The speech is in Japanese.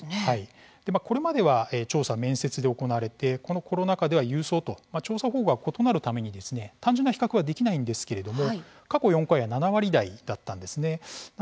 これまでは調査・面接で行われてこのコロナ禍では郵送と調査方法が異なるため単純な比較はできないんですけれども過去４回は７割台だったんですね。